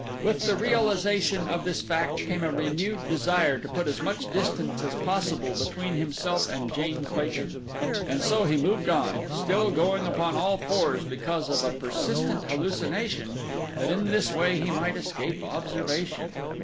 With the realization of this fact came a renewed desire to put as much distance as possible between himself and Jane Clayton. And so he moved on, still going upon all fours because of a persistent hallucination that in this way he might escape observation.